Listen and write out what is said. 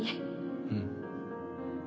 うん。